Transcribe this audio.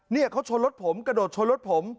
เนี่ยเขาชนรถผมกระโดดชนรถผม